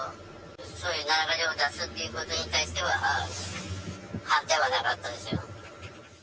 そういう七か条を出すっていうことに対しては、反対はなかったですよ。